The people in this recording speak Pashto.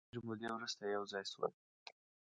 د ډېرې مودې وروسته یو ځای شول.